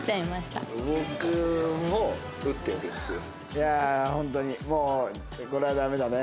いやあ本当にもうこれはダメだね。